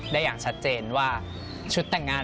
อย่างชัดเจนว่าชุดแต่งงาน